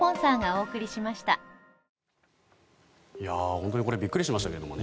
本当にこれびっくりしましたけどね。